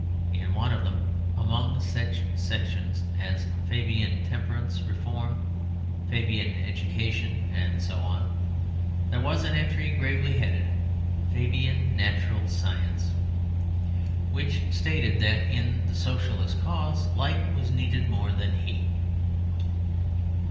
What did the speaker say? In one of them, among such sections as Fabian Temperance Reform, Fabian Education and so on, there was an entry gravely headed "Fabian Natural Science," which stated that in the Socialist cause light was needed more than heat.